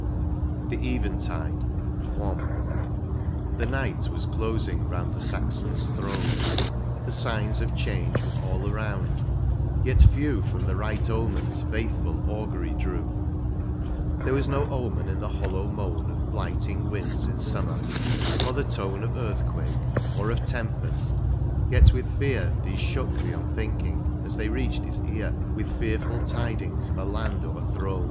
185 XCII. THE EVENTIDE. — I. The night was closing round the Saxon s throne, The signs of change were all around, yet few From the right omens faithfiil augury drew ; There was no omen in the hollow moan Of blighting winds in summer, or the tone Of earthquake or of tempest, yet with fear These shook the unthinking, as they reached his ear With fearfiil tidings of a land o'erthrown.